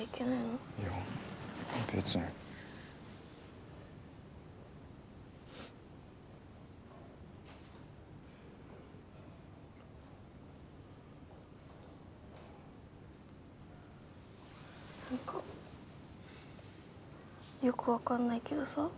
なんかよく分かんないけどさ